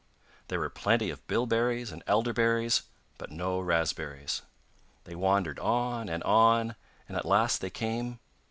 There were plenty of bilberries and elder berries, but no raspberries. They wandered on and on, and at last they came...